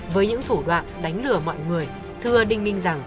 với những thủ đoạn đánh lửa mọi người thưa đình minh rằng